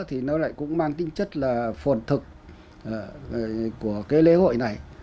thì nó lại cũng mang tính chất là phồn thực của cái lễ hội này